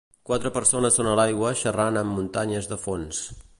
Quatre persones són a l'aigua xerrant amb muntanyes de fons.